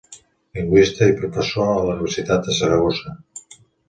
Lingüista i professor a la Universitat de Saragossa.